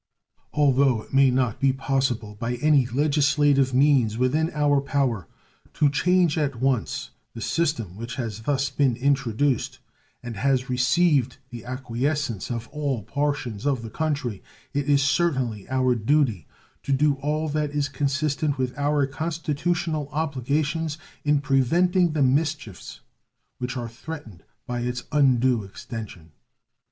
Although it may not be possible by any legislative means within our power to change at once the system which has thus been introduced, and has received the acquiescence of all portions of the country, it is certainly our duty to do all that is consistent with our constitutional obligations in preventing the mischiefs which are threatened by its undue extension.